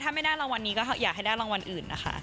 ถ้าไม่ได้รางวัลนี้ก็อยากให้ได้รางวัลอื่นนะคะ